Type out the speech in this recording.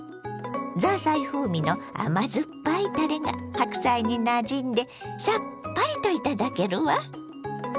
ザーサイ風味の甘酸っぱいタレが白菜になじんでさっぱりと頂けるわ。